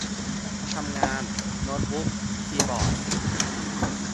- ทำงาน : โน๊ตบุ๊ก คีย์บอร์ด